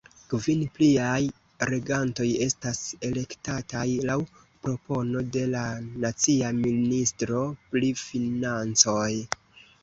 Kvin pliaj regantoj estas elektataj laŭ propono de la nacia ministro pri financoj.